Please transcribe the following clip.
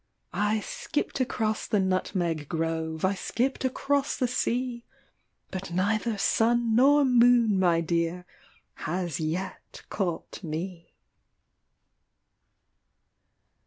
I skipped across the nutmeg grove I skipped across the sea : But neither sun nor moon, my dear Has yet caught me.